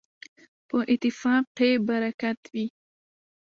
په اتفاق کي برکت وي.